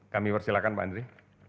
kami persilakan pak andri